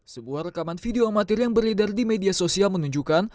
sebuah rekaman video amatir yang beredar di media sosial menunjukkan